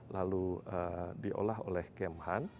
lalu diolah oleh kemhan